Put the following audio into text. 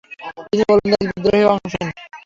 তিনি ওলন্দাজ বিদ্রোহে অংশ নেন।